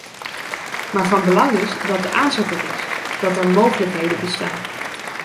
Maar van belang is dat de aanzet er is, dat er mogelijkheden bestaan.